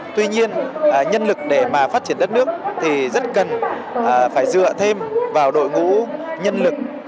tuy nhiên nhân lực để mà phát triển đất nước thì rất cần phải dựa thêm vào đội ngũ nhân lực